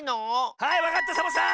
はいわかったサボさん！